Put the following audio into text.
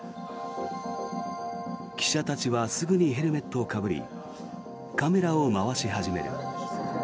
記者たちはすぐにヘルメットをかぶりカメラを回し始める。